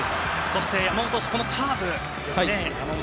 そして、山本投手といえばこのカーブですね。